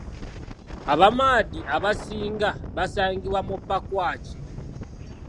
Abamadi abasinga basangibwa mu Pakwach.